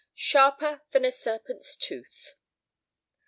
SHARPER THAN A SERPENT'S TOOTH.